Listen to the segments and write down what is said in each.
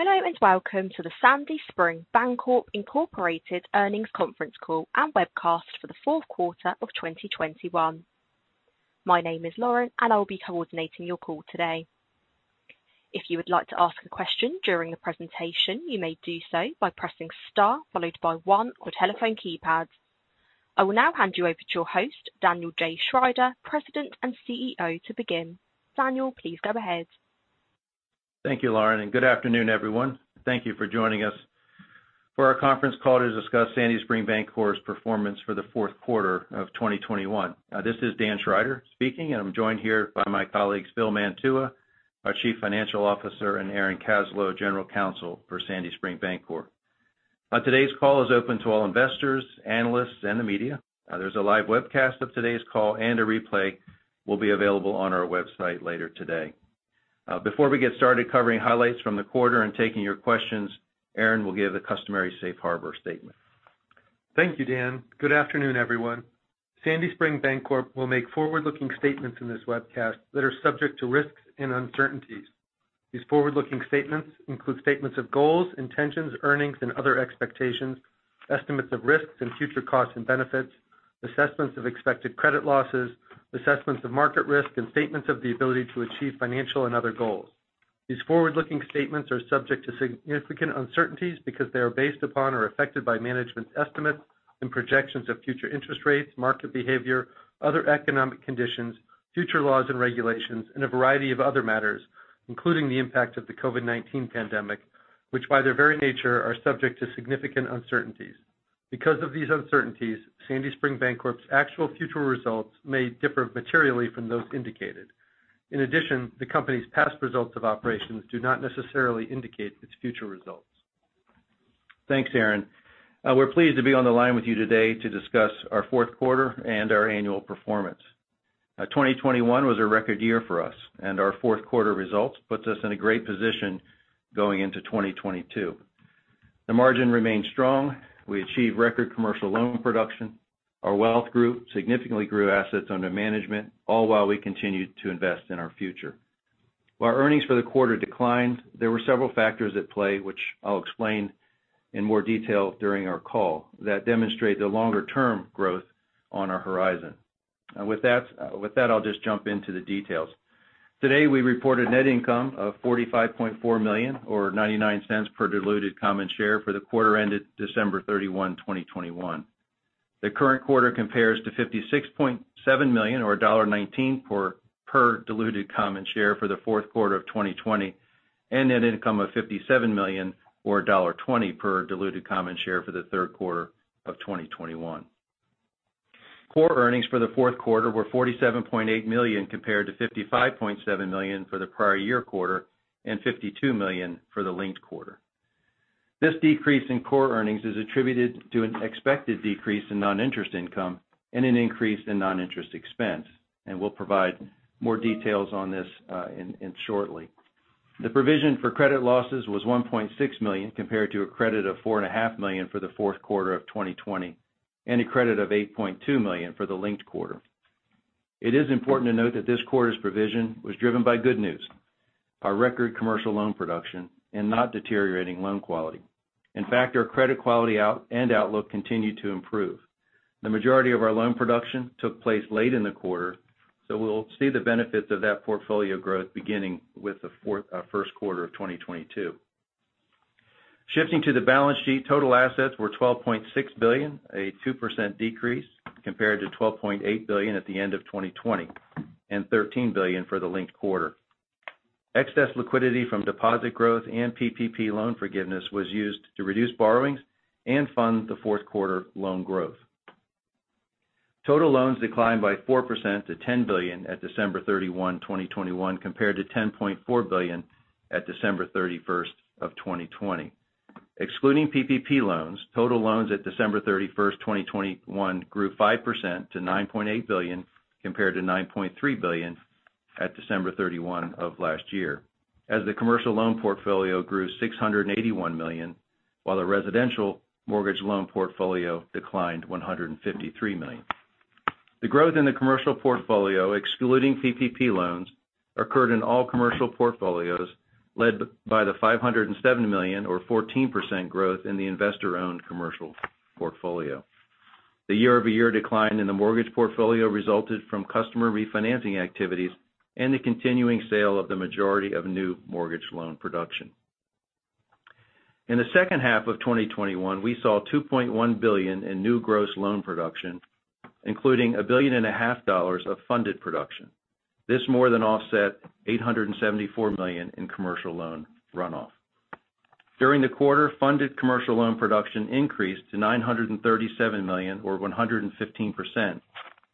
Hello, and welcome to the Sandy Spring Bancorp, Inc. Earnings conference call and webcast for the fourth quarter of 2021. My name is Lauren, and I'll be coordinating your call today. If you would like to ask a question during the presentation, you may do so by pressing star followed by one on your telephone keypad. I will now hand you over to your host, Daniel J. Schrider, President and CEO, to begin. Daniel, please go ahead. Thank you, Lauren, and good afternoon, everyone. Thank you for joining us for our conference call to discuss Sandy Spring Bancorp's performance for the fourth quarter of 2021. This is Dan Schrider speaking, and I'm joined here by my colleagues, Phil Mantua, our Chief Financial Officer, and Aaron Kaslow, General Counsel for Sandy Spring Bancorp. Today's call is open to all investors, analysts, and the media. There's a live webcast of today's call, and a replay will be available on our website later today. Before we get started covering highlights from the quarter and taking your questions, Aaron will give the customary safe harbor statement. Thank you, Dan. Good afternoon, everyone. Sandy Spring Bancorp will make forward-looking statements in this webcast that are subject to risks and uncertainties. These forward-looking statements include statements of goals, intentions, earnings, and other expectations, estimates of risks and future costs and benefits, assessments of expected credit losses, assessments of market risk, and statements of the ability to achieve financial and other goals. These forward-looking statements are subject to significant uncertainties because they are based upon or affected by management's estimates and projections of future interest rates, market behavior, other economic conditions, future laws and regulations, and a variety of other matters, including the impact of the COVID-19 pandemic, which, by their very nature, are subject to significant uncertainties. Because of these uncertainties, Sandy Spring Bancorp's actual future results may differ materially from those indicated. In addition, the company's past results of operations do not necessarily indicate its future results. Thanks, Aaron. We're pleased to be on the line with you today to discuss our fourth quarter and our annual performance. 2021 was a record year for us, and our fourth quarter results puts us in a great position going into 2022. The margin remained strong. We achieved record commercial loan production. Our wealth grew, significantly grew assets under management, all while we continued to invest in our future. While earnings for the quarter declined, there were several factors at play, which I'll explain in more detail during our call, that demonstrate the longer-term growth on our horizon. With that, I'll just jump into the details. Today, we reported net income of $45.4 million or $0.99 per diluted common share for the quarter ended December 31, 2021. The current quarter compares to $56.7 million or $1.19 per diluted common share for the fourth quarter of 2020, and net income of $57 million or $1.20 per diluted common share for the third quarter of 2021. Core earnings for the fourth quarter were $47.8 million compared to $55.7 million for the prior year quarter and $52 million for the linked quarter. This decrease in core earnings is attributed to an expected decrease in non-interest income and an increase in non-interest expense. We'll provide more details on this shortly. The provision for credit losses was $1.6 million compared to a credit of $4.5 million for the fourth quarter of 2020, and a credit of $8.2 million for the linked quarter. It is important to note that this quarter's provision was driven by good news, our record commercial loan production and not deteriorating loan quality. In fact, our credit quality outlook continued to improve. The majority of our loan production took place late in the quarter, so we'll see the benefits of that portfolio growth beginning with the first quarter of 2022. Shifting to the balance sheet, total assets were $12.6 billion, a 2% decrease compared to $12.8 billion at the end of 2020 and $13 billion for the linked quarter. Excess liquidity from deposit growth and PPP loan forgiveness was used to reduce borrowings and fund the fourth quarter loan growth. Total loans declined by 4% to $10 billion at December 31, 2021, compared to $10.4 billion at December 31, 2020. Excluding PPP loans, total loans at December 31, 2021 grew 5% to $9.8 billion, compared to $9.3 billion at December 31, 2020 as the commercial loan portfolio grew $681 million, while the residential mortgage loan portfolio declined $153 million. The growth in the commercial portfolio, excluding PPP loans, occurred in all commercial portfolios led by the $507 million or 14% growth in the investor-owned commercial portfolio. The year-over-year decline in the mortgage portfolio resulted from customer refinancing activities and the continuing sale of the majority of new mortgage loan production. In the second half of 2021, we saw $2.1 billion in new gross loan production, including $1.5 billion of funded production. This more than offset $874 million in commercial loan runoff. During the quarter, funded commercial loan production increased to $937 million or 115%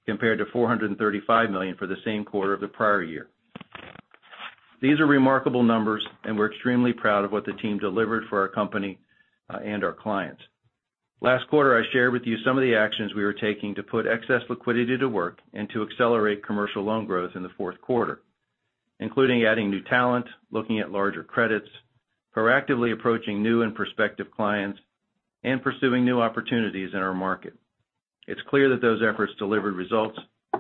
compared to $435 million for the same quarter of the prior year. These are remarkable numbers, and we're extremely proud of what the team delivered for our company and our clients. Last quarter, I shared with you some of the actions we were taking to put excess liquidity to work and to accelerate commercial loan growth in the fourth quarter, including adding new talent, looking at larger credits, proactively approaching new and prospective clients, and pursuing new opportunities in our market. It's clear that those efforts delivered results,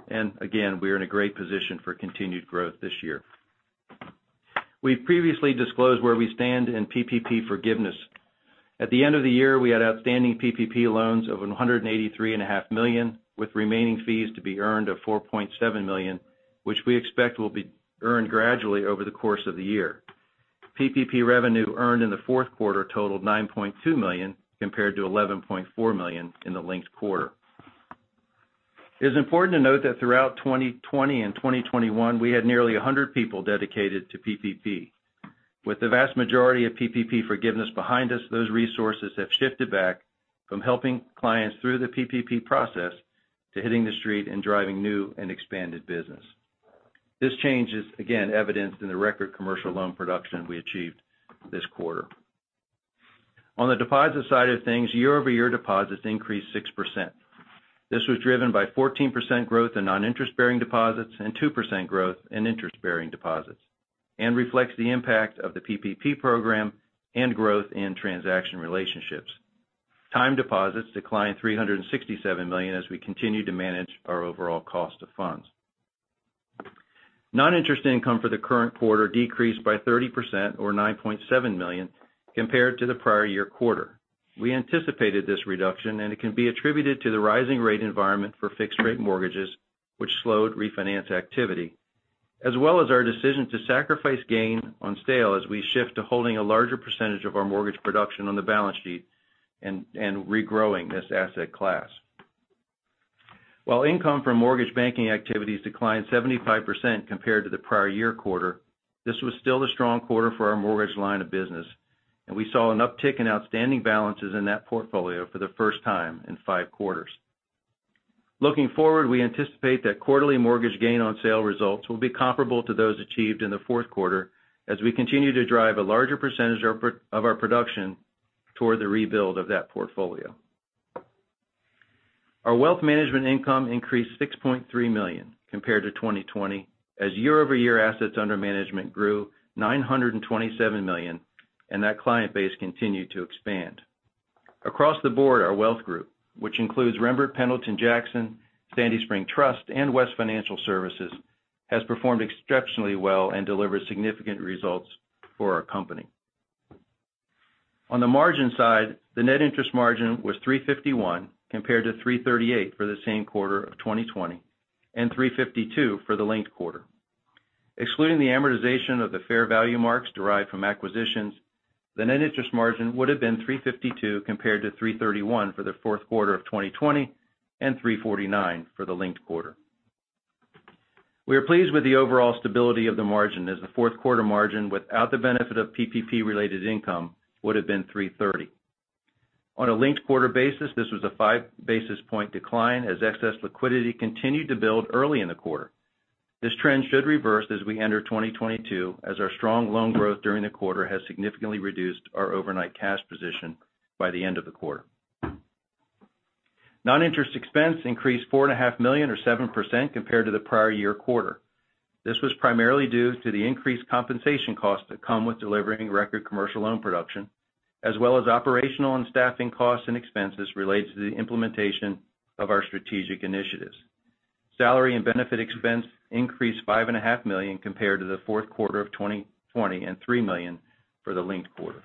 and again, we are in a great position for continued growth this year. We've previously disclosed where we stand in PPP forgiveness. At the end of the year, we had outstanding PPP loans of $183.5 million, with remaining fees to be earned of $4.7 million, which we expect will be earned gradually over the course of the year. PPP revenue earned in the fourth quarter totaled $9.2 million, compared to $11.4 million in the linked quarter. It is important to note that throughout 2020 and 2021, we had nearly 100 people dedicated to PPP. With the vast majority of PPP forgiveness behind us, those resources have shifted back from helping clients through the PPP process to hitting the street and driving new and expanded business. This change is again evidenced in the record commercial loan production we achieved this quarter. On the deposit side of things, year-over-year deposits increased 6%. This was driven by 14% growth in non-interest-bearing deposits and 2% growth in interest-bearing deposits and reflects the impact of the PPP program and growth in transaction relationships. Time deposits declined $367 million as we continue to manage our overall cost of funds. Non-interest income for the current quarter decreased by 30% or $9.7 million compared to the prior year quarter. We anticipated this reduction, and it can be attributed to the rising rate environment for fixed-rate mortgages, which slowed refinance activity, as well as our decision to sacrifice gain on sale as we shift to holding a larger percentage of our mortgage production on the balance sheet and regrowing this asset class. While income from mortgage banking activities declined 75% compared to the prior year quarter, this was still a strong quarter for our mortgage line of business, and we saw an uptick in outstanding balances in that portfolio for the first time in five quarters. Looking forward, we anticipate that quarterly mortgage gain on sale results will be comparable to those achieved in the fourth quarter as we continue to drive a larger percentage of our production toward the rebuild of that portfolio. Our wealth management income increased $6.3 million compared to 2020 as year-over-year assets under management grew $927 million and that client base continued to expand. Across the board, our wealth group, which includes Rembert Pendleton Jackson, Sandy Spring Trust, and West Financial Services, has performed exceptionally well and delivered significant results for our company. On the margin side, the net interest margin was 3.51% compared to 3.38% for the same quarter of 2020 and 3.52% for the linked quarter. Excluding the amortization of the fair value marks derived from acquisitions, the net interest margin would have been 3.52% compared to 3.31% for the fourth quarter of 2020 and 3.49% for the linked quarter. We are pleased with the overall stability of the margin as the fourth quarter margin without the benefit of PPP-related income would have been 3.30%. On a linked quarter basis, this was a 5 basis point decline as excess liquidity continued to build early in the quarter. This trend should reverse as we enter 2022, as our strong loan growth during the quarter has significantly reduced our overnight cash position by the end of the quarter. Non-interest expense increased $4.5 million or 7% compared to the prior year quarter. This was primarily due to the increased compensation costs that come with delivering record commercial loan production, as well as operational and staffing costs and expenses related to the implementation of our strategic initiatives. Salary and benefit expense increased $5.5 million compared to the fourth quarter of 2020 and $3 million for the linked quarter.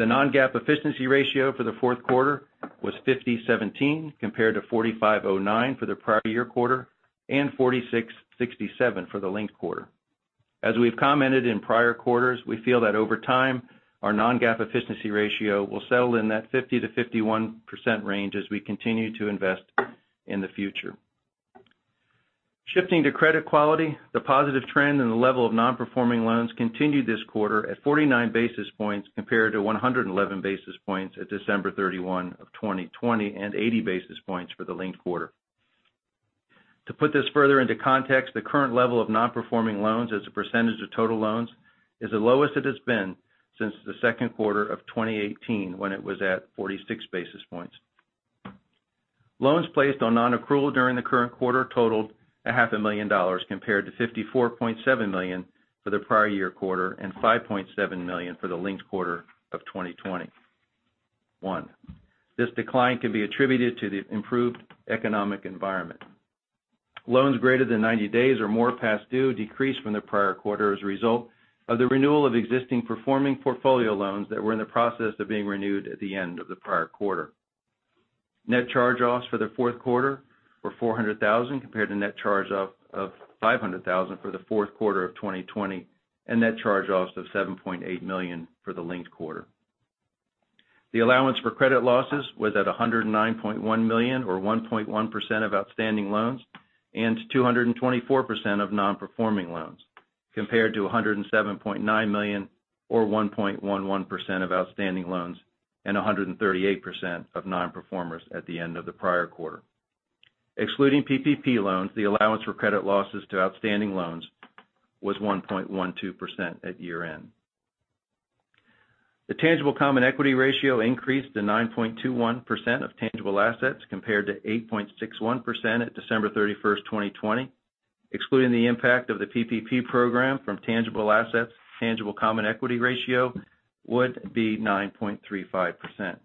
The non-GAAP efficiency ratio for the fourth quarter was 51.7% compared to 45.09% for the prior year quarter and 46.67% for the linked quarter. We've commented in prior quarters, we feel that over time, our non-GAAP efficiency ratio will settle in that 50%-51% range as we continue to invest in the future. Shifting to credit quality, the positive trend in the level of non-performing loans continued this quarter at 49 basis points compared to 111 basis points at December 31, 2020 and 80 basis points for the linked quarter. To put this further into context, the current level of non-performing loans as a percentage of total loans is the lowest it has been since the second quarter of 2018 when it was at 46 basis points. Loans placed on non-accrual during the current quarter totaled half a million dollars compared to $54.7 million for the prior year quarter and $5.7 million for the linked quarter of 2021. This decline can be attributed to the improved economic environment. Loans greater than 90 days or more past due decreased from the prior quarter as a result of the renewal of existing performing portfolio loans that were in the process of being renewed at the end of the prior quarter. Net charge-offs for the fourth quarter were $400,000 compared to net charge-off of $500,000 for the fourth quarter of 2020 and net charge-offs of $7.8 million for the linked quarter. The allowance for credit losses was at $109.1 million or 1.1% of outstanding loans and 224% of non-performing loans, compared to $107.9 million or 1.11% of outstanding loans and 138% of non-performing loans at the end of the prior quarter. Excluding PPP loans, the allowance for credit losses to outstanding loans was 1.12% at year-end. The tangible common equity ratio increased to 9.21% of tangible assets compared to 8.61% at December 31, 2020. Excluding the impact of the PPP program from tangible assets, tangible common equity ratio would be 9.35%.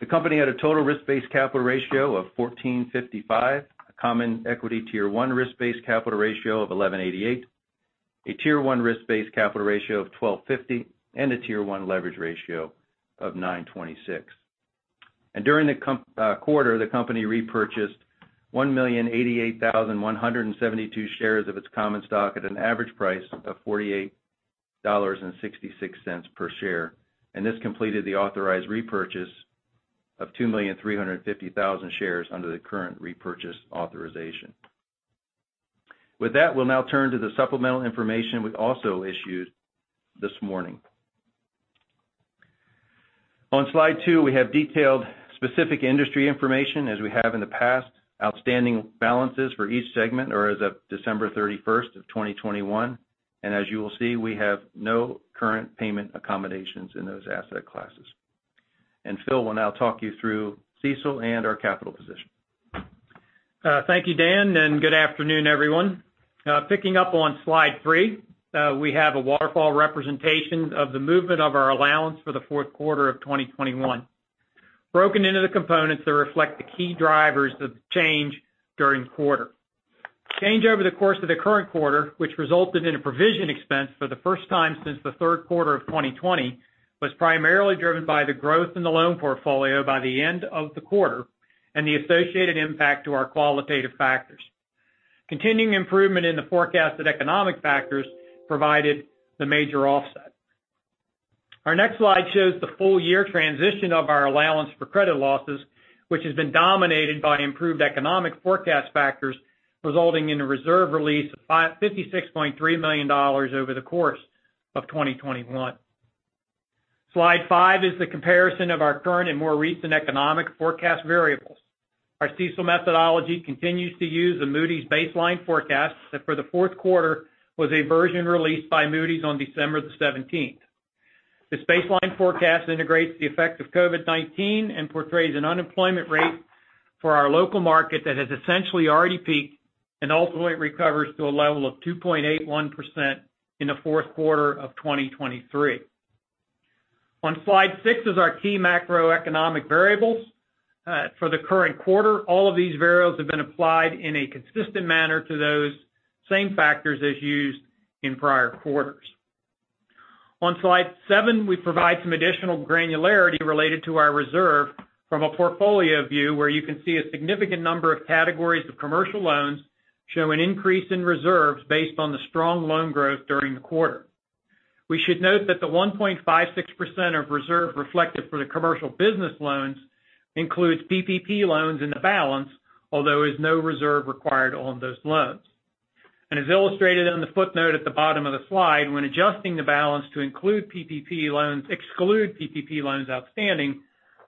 The company had a total risk-based capital ratio of 14.55%, a common equity Tier 1 risk-based capital ratio of 11.88%, a Tier 1 risk-based capital ratio of 12.50%, and a Tier 1 leverage ratio of 9.26%. During the quarter, the company repurchased 1,088,172 shares of its common stock at an average price of $48.66 per share. This completed the authorized repurchase of 2,350,000 shares under the current repurchase authorization. With that, we'll now turn to the supplemental information we also issued this morning. On slide two, we have detailed specific industry information as we have in the past, outstanding balances for each segment or as of December 31, 2021. As you will see, we have no current payment accommodations in those asset classes. Phil will now talk you through CECL and our capital position. Thank you, Dan, and good afternoon, everyone. Picking up on slide three, we have a waterfall representation of the movement of our allowance for the fourth quarter of 2021, broken into the components that reflect the key drivers of change during the quarter. Change over the course of the current quarter, which resulted in a provision expense for the first time since the third quarter of 2020, was primarily driven by the growth in the loan portfolio by the end of the quarter and the associated impact to our qualitative factors. Continuing improvement in the forecasted economic factors provided the major offset. Our next slide shows the full year transition of our allowance for credit losses, which has been dominated by improved economic forecast factors, resulting in a reserve release of $56.3 million over the course of 2021. Slide five is the comparison of our current and more recent economic forecast variables. Our CECL methodology continues to use the Moody's baseline forecast that for the fourth quarter was a version released by Moody's on December 17. This baseline forecast integrates the effect of COVID-19 and portrays an unemployment rate for our local market that has essentially already peaked and ultimately recovers to a level of 2.81% in the fourth quarter of 2023. On slide six is our key macroeconomic variables. For the current quarter, all of these variables have been applied in a consistent manner to those same factors as used in prior quarters. On slide seven, we provide some additional granularity related to our reserve from a portfolio view where you can see a significant number of categories of commercial loans show an increase in reserves based on the strong loan growth during the quarter. We should note that the 1.56% of reserve reflected for the commercial business loans includes PPP loans in the balance, although no reserve is required on those loans. As illustrated in the footnote at the bottom of the slide, when adjusting the balance to exclude PPP loans outstanding,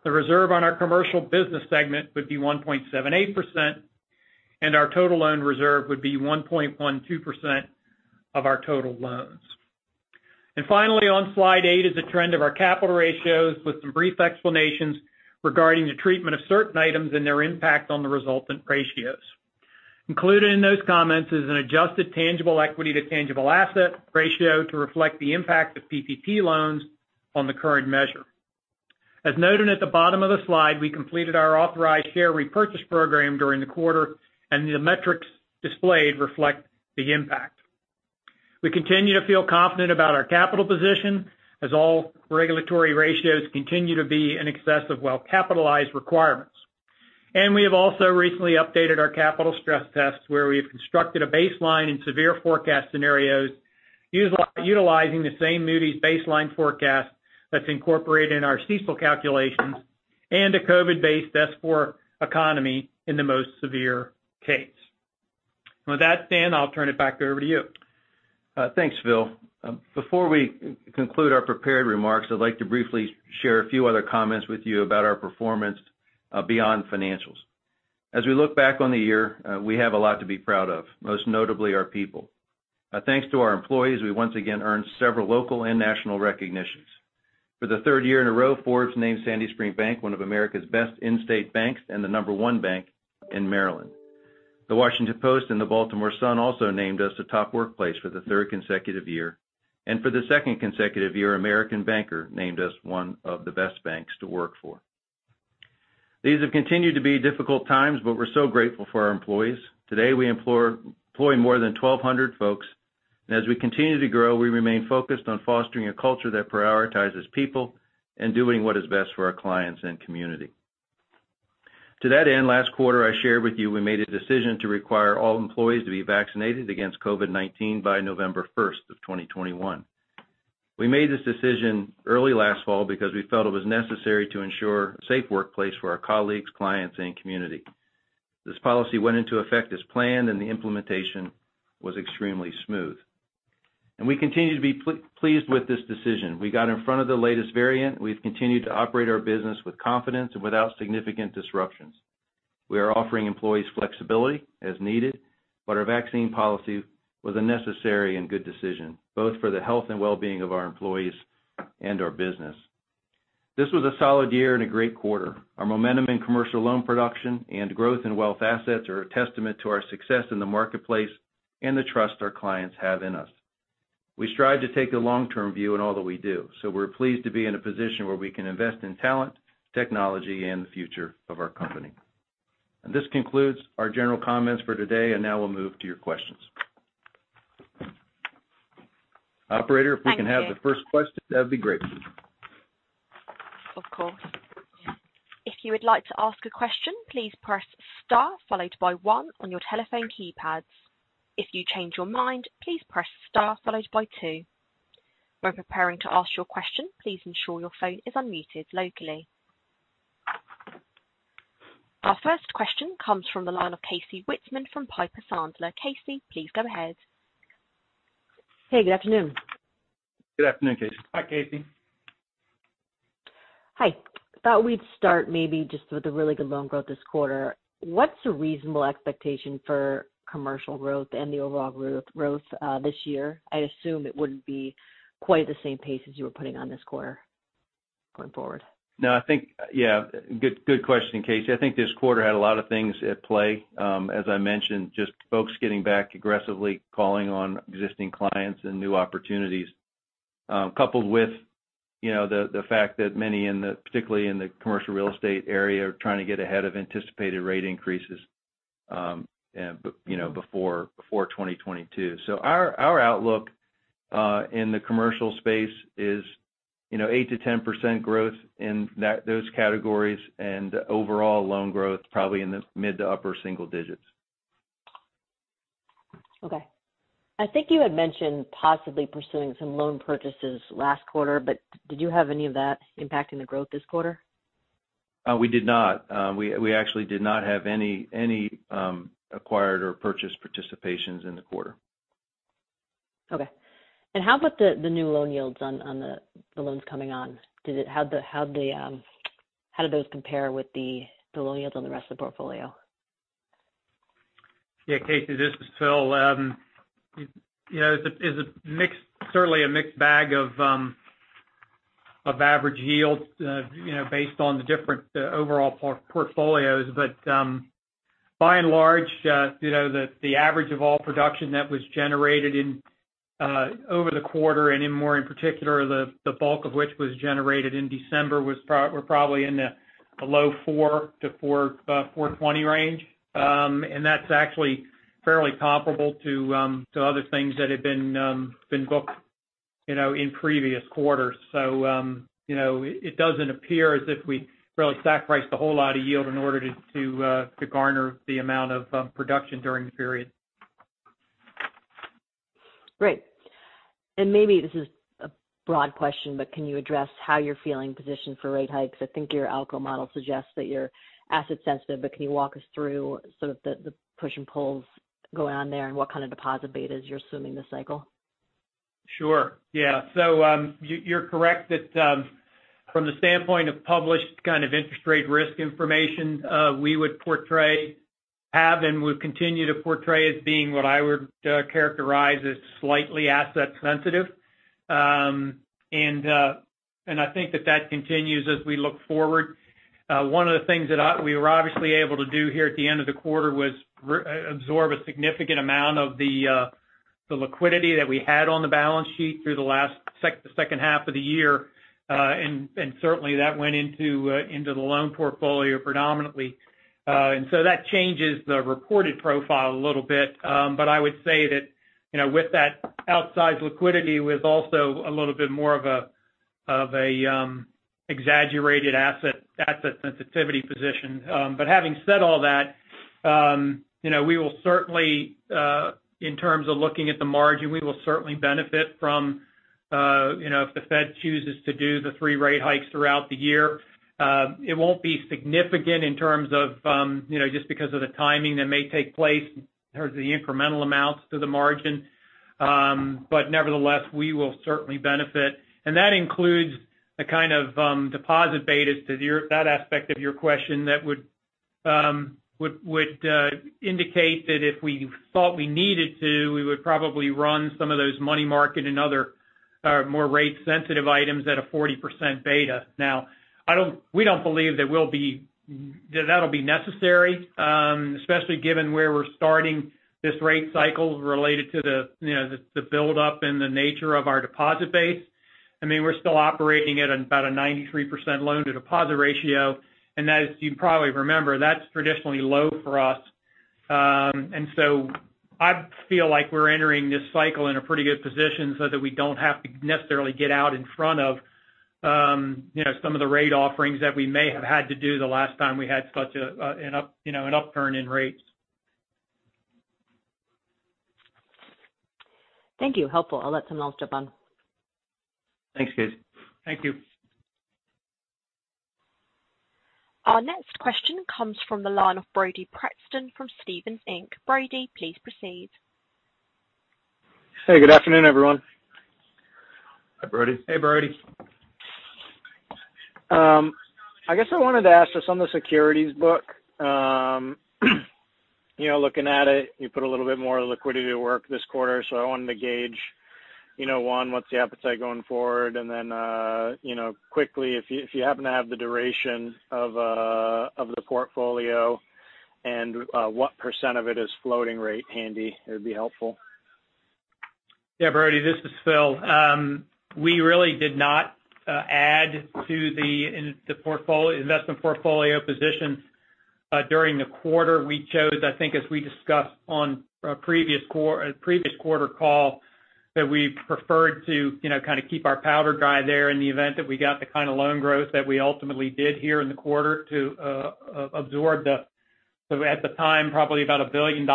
the reserve on our commercial business segment would be 1.78%, and our total loan reserve would be 1.12% of our total loans. Finally, on slide eight is the trend of our capital ratios with some brief explanations regarding the treatment of certain items and their impact on the resultant ratios. Included in those comments is an adjusted tangible equity to tangible asset ratio to reflect the impact of PPP loans on the current measure. As noted at the bottom of the slide, we completed our authorized share repurchase program during the quarter, and the metrics displayed reflect the impact. We continue to feel confident about our capital position as all regulatory ratios continue to be in excess of well-capitalized requirements. We have also recently updated our capital stress tests where we have constructed a baseline and severe forecast scenarios, utilizing the same Moody's baseline forecast that's incorporated in our CECL calculations and a COVID-based stress scenario for the economy in the most severe case. With that, Dan, I'll turn it back over to you. Thanks, Phil. Before we conclude our prepared remarks, I'd like to briefly share a few other comments with you about our performance beyond financials. As we look back on the year, we have a lot to be proud of, most notably our people. Thanks to our employees, we once again earned several local and national recognitions. For the third year in a row, Forbes named Sandy Spring Bank one of America's best in-state banks and the Number one bank in Maryland. The Washington Post and the Baltimore Sun also named us a top workplace for the third consecutive year. For the second consecutive year, American Banker named us one of the best banks to work for. These have continued to be difficult times, but we're so grateful for our employees. Today, we employ more than 1,200 folks. As we continue to grow, we remain focused on fostering a culture that prioritizes people and doing what is best for our clients and community. To that end, last quarter, I shared with you we made a decision to require all employees to be vaccinated against COVID-19 by November 1, 2021. We made this decision early last fall because we felt it was necessary to ensure a safe workplace for our colleagues, clients, and community. This policy went into effect as planned, and the implementation was extremely smooth. We continue to be pleased with this decision. We got in front of the latest variant. We've continued to operate our business with confidence and without significant disruptions. We are offering employees flexibility as needed, but our vaccine policy was a necessary and good decision, both for the health and well-being of our employees and our business. This was a solid year and a great quarter. Our momentum in commercial loan production and growth in wealth assets are a testament to our success in the marketplace and the trust our clients have in us. We strive to take the long-term view in all that we do, so we're pleased to be in a position where we can invest in talent, technology, and the future of our company. This concludes our general comments for today. Now we'll move to your questions. Operator, if we can have the first question, that'd be great. Of course. If you would like to ask a question, please press star followed by one on your telephone keypads. If you change your mind, please press star followed by two. When preparing to ask your question, please ensure your phone is unmuted locally. Our first question comes from the line of Casey Whitman from Piper Sandler. Casey, please go ahead. Hey, good afternoon. Good afternoon, Casey. Hi, Casey. Hi. Thought we'd start maybe just with the really good loan growth this quarter. What's a reasonable expectation for commercial growth and the overall growth this year? I assume it wouldn't be quite the same pace as you were putting on this quarter going forward. No, I think. Yeah, good question, Casey. I think this quarter had a lot of things at play. As I mentioned, just folks getting back aggressively, calling on existing clients and new opportunities, coupled with, you know, the fact that many in the, particularly in the commercial real estate area, are trying to get ahead of anticipated rate increases, and, you know, before 2022. Our outlook in the commercial space is, you know, 8%-10% growth in those categories and overall loan growth probably in the mid-to-upper-single digits%. Okay. I think you had mentioned possibly pursuing some loan purchases last quarter, but did you have any of that impact in the growth this quarter? We did not. We actually did not have any acquired or purchased participations in the quarter. Okay. How about the new loan yields on the loans coming on? How did those compare with the loan yields on the rest of the portfolio? Yeah, Casey, this is Phil. You know, it's a mixed bag of average yields, you know, based on the different overall portfolios. By and large, you know, the average of all production that was generated over the quarter and in more in particular, the bulk of which was generated in December was probably in the low 4%-4.20% range. That's actually fairly comparable to other things that have been booked in previous quarters. You know, it doesn't appear as if we really sacrificed a whole lot of yield in order to garner the amount of production during the period. Great. Maybe this is a broad question, but can you address how you're feeling positioned for rate hikes? I think your ALCO model suggests that you're asset sensitive, but can you walk us through sort of the push and pulls going on there and what kind of deposit betas you're assuming this cycle? Sure, yeah. You're correct that from the standpoint of published kind of interest rate risk information, we would have and will continue to portray as being what I would characterize as slightly asset sensitive. I think that continues as we look forward. One of the things that we were obviously able to do here at the end of the quarter was absorb a significant amount of the liquidity that we had on the balance sheet through the second half of the year. Certainly that went into the loan portfolio predominantly. That changes the reported profile a little bit. I would say that, you know, with that outsized liquidity was also a little bit more of a exaggerated asset sensitivity position. Having said all that, you know, we will certainly, in terms of looking at the margin, we will certainly benefit from, you know, if the Fed chooses to do the three rate hikes throughout the year. It won't be significant in terms of, you know, just because of the timing that may take place in terms of the incremental amounts to the margin. Nevertheless, we will certainly benefit. That includes the kind of deposit betas to your that aspect of your question that would indicate that if we thought we needed to, we would probably run some of those money market and other more rate sensitive items at a 40% beta. Now, we don't believe that that'll be necessary, especially given where we're starting this rate cycle related to the, you know, the buildup and the nature of our deposit base. I mean, we're still operating at about a 93% loan-to-deposit ratio. That is, you probably remember, that's traditionally low for us. I feel like we're entering this cycle in a pretty good position so that we don't have to necessarily get out in front of some of the rate offerings that we may have had to do the last time we had such an upturn in rates. Thank you. Helpful. I'll let someone else jump on. Thanks, Casey. Thank you. Our next question comes from the line of Brody Preston from Stephens Inc. Brody, please proceed. Hey, good afternoon, everyone. Hi, Brody. Hey, Brody. I guess I wanted to ask just on the securities book. You know, looking at it, you put a little bit more liquidity to work this quarter, so I wanted to gauge, you know, one, what's the appetite going forward? Then, you know, quickly if you happen to have the duration of the portfolio and what % of it is floating rate handy, it would be helpful. Yeah, Brody, this is Phil. We really did not add to the investment portfolio position during the quarter. We chose, I think as we discussed on a previous quarter call, that we preferred to, you know, kind of keep our powder dry there in the event that we got the kind of loan growth that we ultimately did here in the quarter to absorb the, at the time, probably about $1 billion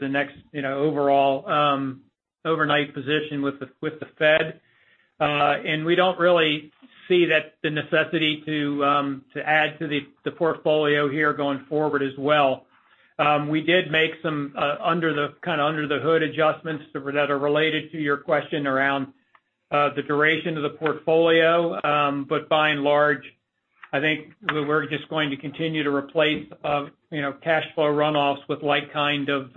then, you know, overall overnight position with the Fed. We don't really see the necessity to add to the portfolio here going forward as well. We did make some kind of under the hood adjustments that are related to your question around the duration of the portfolio. By and large, I think we're just going to continue to replace, you know, cash flow runoffs with like kind of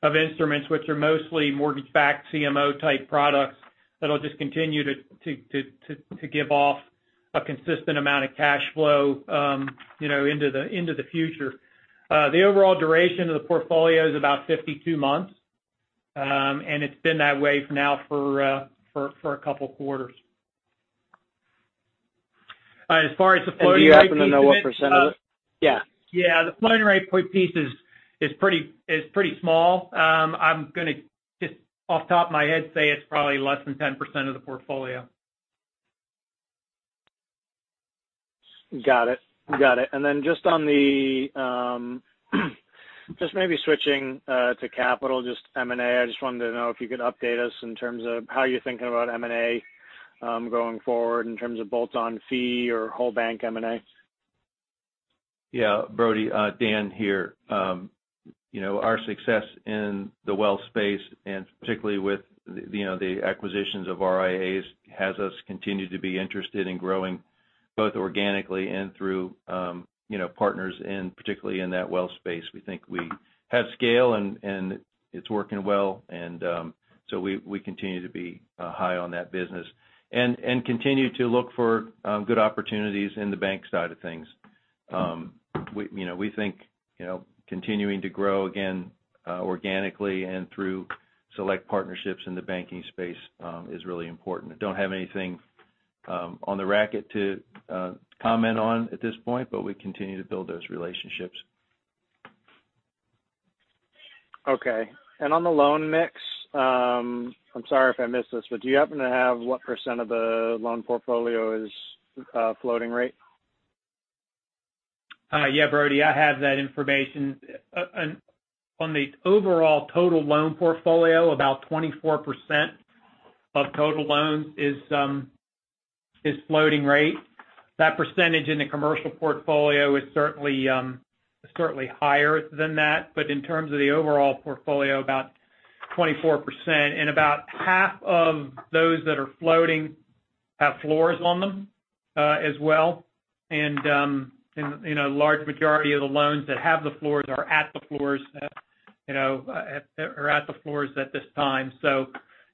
of instruments which are mostly mortgage-backed CMO type products that'll just continue to give off a consistent amount of cash flow, you know, into the future. The overall duration of the portfolio is about 52 months. It's been that way for a couple quarters. As far as the floating rate piece of it. Do you happen to know what percent of it? Yeah. Yeah, the floating rate piece is pretty small. I'm gonna just off the top of my head say it's probably less than 10% of the portfolio. Got it. Just maybe switching to capital just M&A, I just wanted to know if you could update us in terms of how you're thinking about M&A going forward in terms of bolt-on fee or whole bank M&A? Yeah, Brody, Dan here. You know, our success in the wealth space, and particularly with the, you know, the acquisitions of RIAs, has us continue to be interested in growing both organically and through, you know, partners, and particularly in that wealth space. We think we have scale and it's working well. So we continue to be high on that business and continue to look for good opportunities in the bank side of things. You know, we think, you know, continuing to grow again, organically and through select partnerships in the banking space, is really important. Don't have anything on the radar to comment on at this point, but we continue to build those relationships. Okay. On the loan mix, I'm sorry if I missed this, but do you happen to have what % of the loan portfolio is floating rate? Yeah, Brody, I have that information. On the overall total loan portfolio, about 24% of total loans is floating rate. That percentage in the commercial portfolio is certainly higher than that. In terms of the overall portfolio, about 24%. About half of those that are floating have floors on them, as well. You know, large majority of the loans that have the floors are at the floors at this time.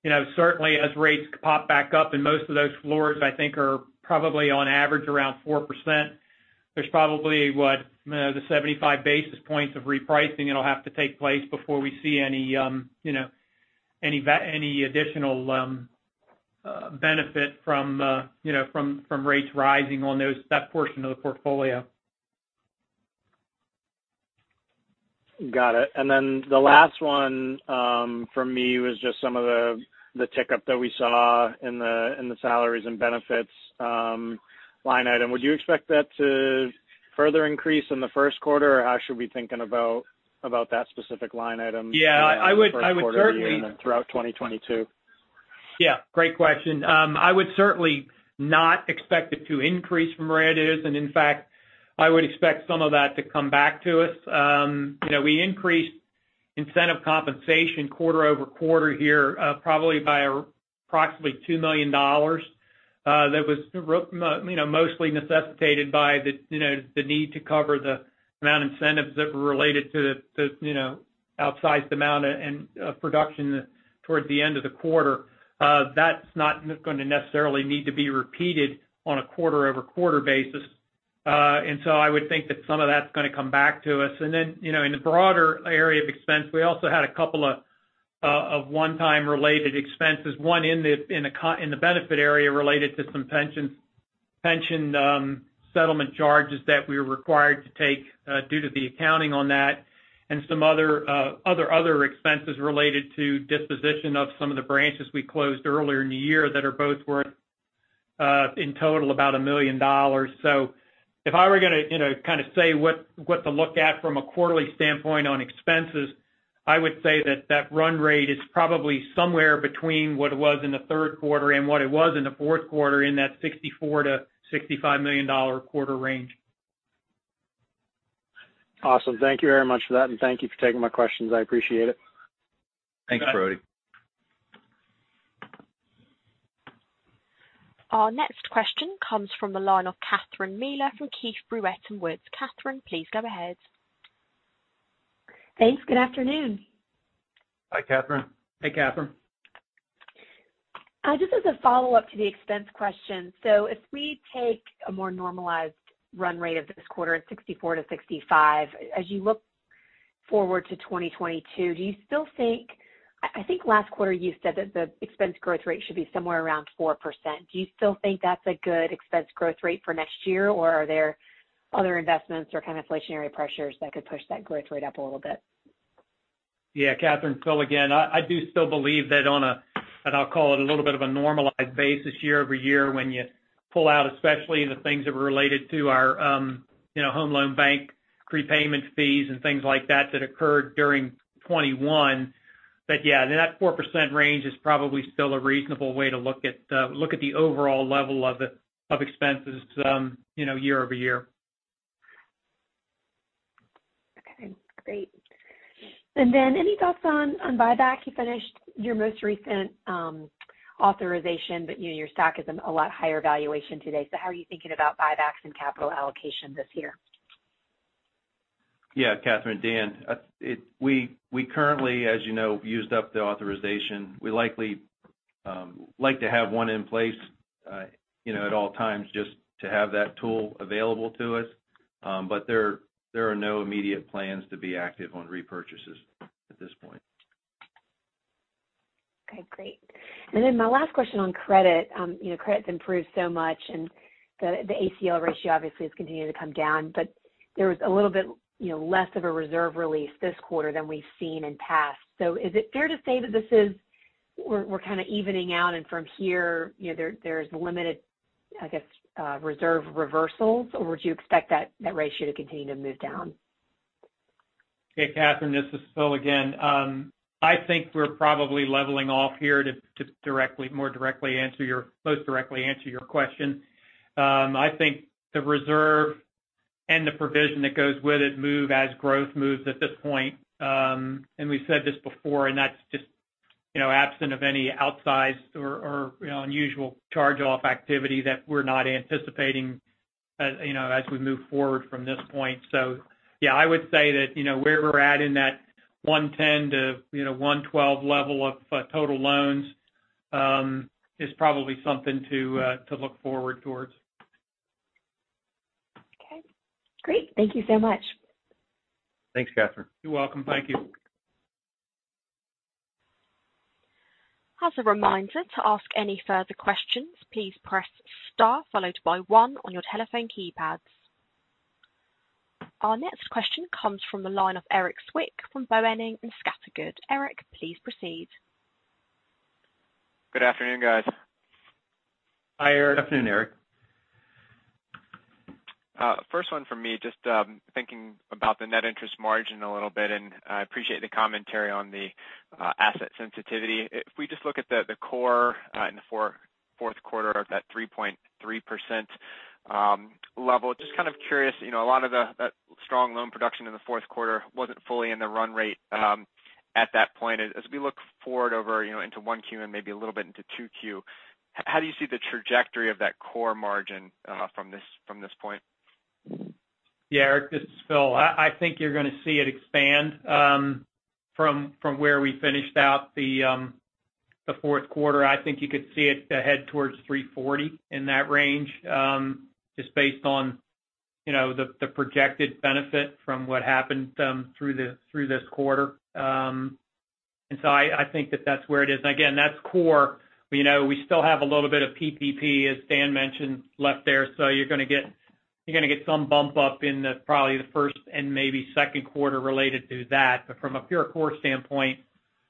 you know, certainly as rates pop back up, and most of those floors I think are probably on average around 4%, there's probably, what, you know, the 75 basis points of repricing that'll have to take place before we see any, you know, any additional benefit from, you know, from rates rising on those, that portion of the portfolio. Got it. The last one from me was just some of the tick-up that we saw in the salaries and benefits line item. Would you expect that to further increase in the first quarter, or how should we be thinking about that specific line item? Yeah, I would certainly. In the first quarter and then throughout 2022? Yeah, great question. I would certainly not expect it to increase from where it is. In fact, I would expect some of that to come back to us. You know, we increased incentive compensation quarter-over-quarter here, probably by approximately $2 million. That was, you know, mostly necessitated by the, you know, the need to cover the amount of incentives that were related to the, you know, outsized amount and production towards the end of the quarter. That's not gonna necessarily need to be repeated on a quarter-over-quarter basis. So I would think that some of that's gonna come back to us. Then, you know, in the broader area of expense, we also had a couple of one-time related expenses. One in the benefit area related to some pension settlement charges that we were required to take due to the accounting on that and some other expenses related to disposition of some of the branches we closed earlier in the year that are both worth in total about $1 million. If I were gonna, you know, kind of say what to look at from a quarterly standpoint on expenses, I would say that run rate is probably somewhere between what it was in the third quarter and what it was in the fourth quarter in that $64 million-$65 million quarter range. Awesome. Thank you very much for that, and thank you for taking my questions. I appreciate it. Thanks, Brody. Our next question comes from the line of Catherine Mealor from Keefe, Bruyette & Woods. Catherine, please go ahead. Thanks. Good afternoon. Hi, Catherine. Hey, Catherine. Just as a follow-up to the expense question. If we take a more normalized run rate of this quarter at 64%-65%, as you look forward to 2022, do you still think I think last quarter you said that the expense growth rate should be somewhere around 4%. Do you still think that's a good expense growth rate for next year, or are there other investments or kind of inflationary pressures that could push that growth rate up a little bit? Yeah, Catherine. Phil again. I do still believe that on a and I'll call it a little bit of a normalized basis year-over-year when you pull out, especially the things that were related to our you know home loan bank prepayment fees and things like that that occurred during 2021. Yeah, that 4% range is probably still a reasonable way to look at the overall level of expenses you know year-over-year. Okay, great. Then any thoughts on buyback? You finished your most recent authorization, but you know, your stock is a lot higher valuation today. How are you thinking about buybacks and capital allocation this year? Yeah, Catherine, Dan. We currently, as you know, used up the authorization. We likely like to have one in place, you know, at all times just to have that tool available to us. There are no immediate plans to be active on repurchases at this point. Okay, great. My last question on credit, you know, credit's improved so much, and the ACL ratio obviously has continued to come down, but there was a little bit, you know, less of a reserve release this quarter than we've seen in the past. Is it fair to say that this is where we're kind of evening out and from here, you know, there's limited, I guess, reserve reversals, or would you expect that ratio to continue to move down? Hey, Catherine, this is Phil again. I think we're probably leveling off here to most directly answer your question. I think the reserve and the provision that goes with it move as growth moves at this point. We've said this before, and that's just, you know, absent of any outsized or unusual charge-off activity that we're not anticipating, you know, as we move forward from this point. Yeah, I would say that, you know, where we're at in that 1.10%-1.12% level of total loans is probably something to look forward to. Okay, great. Thank you so much. Thanks, Catherine. You're welcome. Thank you. As a reminder, to ask any further questions, please press star followed by one on your telephone keypads. Our next question comes from the line of Erik Zwick from Boenning & Scattergood. Erik, please proceed. Good afternoon, guys. Hi, Erik. Afternoon, Erik. First one for me, just thinking about the net interest margin a little bit, and I appreciate the commentary on the asset sensitivity. If we just look at the core in the fourth quarter of that 3.3% level, just kind of curious, you know, a lot of the strong loan production in the fourth quarter wasn't fully in the run rate at that point. As we look forward over, you know, into 1Q and maybe a little bit into 2Q, how do you see the trajectory of that core margin from this point? Yeah, Erik, this is Phil. I think you're gonna see it expand from where we finished out the fourth quarter. I think you could see it head towards 3.40% in that range, just based on, you know, the projected benefit from what happened through this quarter. I think that's where it is. Again, that's core. You know, we still have a little bit of PPP, as Dan mentioned, left there. You're gonna get some bump up in probably the first and maybe second quarter related to that. From a pure core standpoint,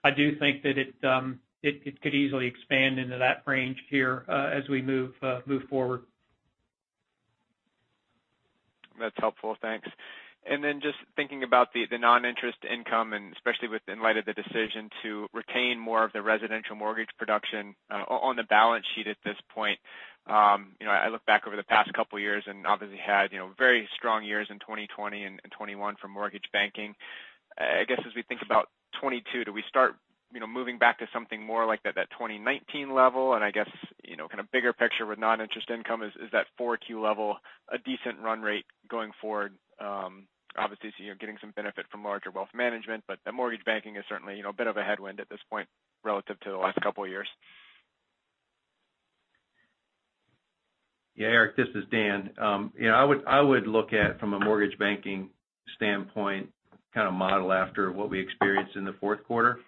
I do think that it could easily expand into that range here as we move forward. That's helpful. Thanks. Then just thinking about the non-interest income and especially in light of the decision to retain more of the residential mortgage production on the balance sheet at this point. You know, I look back over the past couple years and obviously had very strong years in 2020 and 2021 for mortgage banking. I guess, as we think about 2022, do we start moving back to something more like that 2019 level? I guess, kind of bigger picture with non-interest income is that 4Q level a decent run rate going forward? Obviously, you're getting some benefit from larger wealth management, but the mortgage banking is certainly a bit of a headwind at this point relative to the last couple of years. Yeah, Erik, this is Dan. You know, I would look at from a mortgage banking standpoint kind of model after what we experienced in the fourth quarter.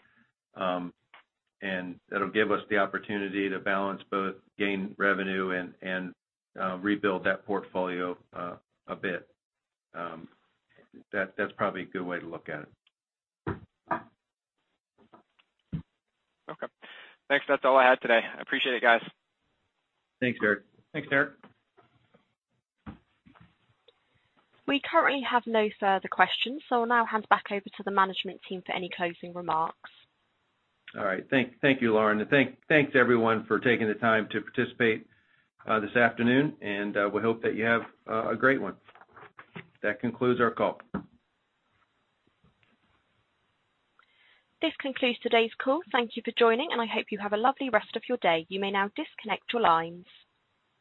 It'll give us the opportunity to balance both gain revenue and rebuild that portfolio a bit. That's probably a good way to look at it. Okay. Thanks. That's all I had today. I appreciate it, guys. Thanks, Erik. Thanks, Erik. We currently have no further questions, so I'll now hand back over to the management team for any closing remarks. All right. Thank you, Lauren. Thanks everyone for taking the time to participate this afternoon, and we hope that you have a great one. That concludes our call. This concludes today's call. Thank you for joining, and I hope you have a lovely rest of your day. You may now disconnect your lines.